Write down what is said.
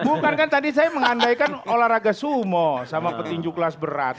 bukan kan tadi saya mengandaikan olahraga sumo sama petinju kelas berat